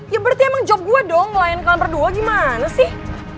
ya berarti emang job gue dong melayan kalian berdua gimana sih